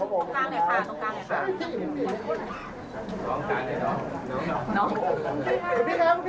ขอบคุณพี่ด้วยนะครับ